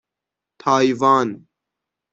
تایوان